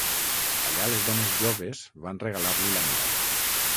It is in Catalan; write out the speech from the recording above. Allà les dones joves van regalar-li la medalla.